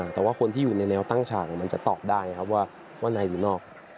แต่ว่าคนที่อยู่ในแววตั้งฉากมันจะตอบได้ครับว่าในหรือนอก